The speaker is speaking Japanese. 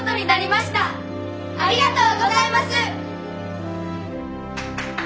ありがとうございます！